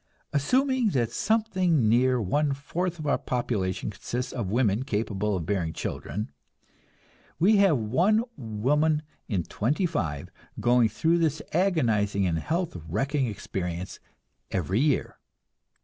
Assuming that something near one fourth our population consists of women capable of bearing children, we have one woman in twenty five going through this agonizing and health wrecking experience every year.